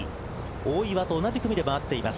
大岩と同じ組で回っています。